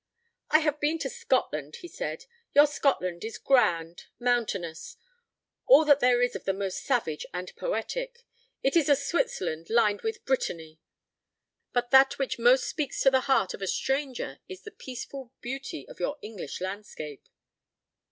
"I have been to Scotland," he said. "Your Scotland is grand, mountainous all that there is of the most savage and poetic. It is a Switzerland lined with Brittany. But that which most speaks to the heart of a stranger is the peaceful beauty of your English landscape."